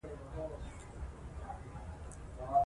دا زموږ غږ دی.